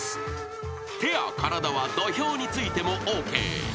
［手や体は土俵についてもＯＫ］